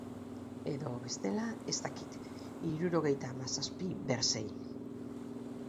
Edo, bestela, ez dakit, hirurogeita hamazazpi ber sei.